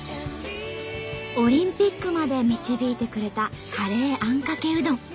オリンピックまで導いてくれたカレーあんかけうどん。